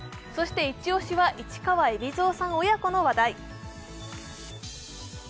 イチオシは、市川海老蔵さん親子の話題。